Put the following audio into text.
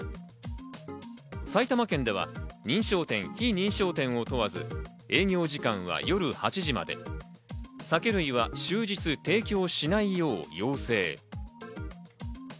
埼玉県では認証店、非認証店を問わず、営業時間は夜８時まで、酒類は終日提供しないよう要請。